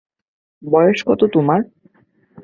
বয়স কত তোমার?